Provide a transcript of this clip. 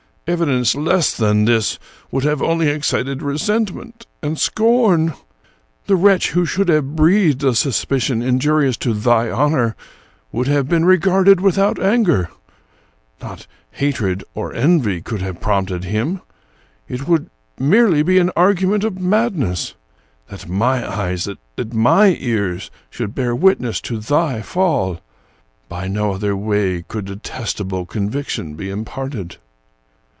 " Evidence less than this would only have excited resent ment and scorn. The wretch who should have breathed a suspicion injurious to thy honor would have been regarded without anger: not hatred or envy could have prompted him; it would merely be an argument of madness. That my eyes, that my ears, should bear witness to thy fall! By no other way could detestable conviction be imparted.